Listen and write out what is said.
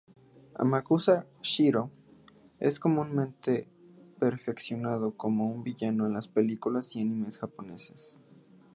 Amakusa Shirō es comúnmente personificado como un villano en las películas y animes japoneses.